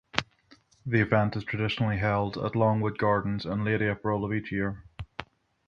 The event is traditionally held at Longwood Gardens in late April of each year.